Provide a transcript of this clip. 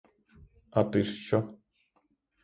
А ти ж що?